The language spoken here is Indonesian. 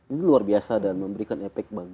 ini luar biasa dan memberikan efek